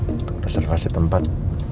untuk reservasi tempat